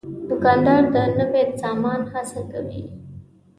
دوکاندار د نوي سامان هڅه کوي.